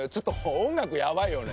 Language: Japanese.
音楽やばいよね